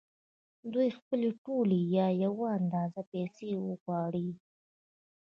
دوی خپلې ټولې یا یوه اندازه پیسې وغواړي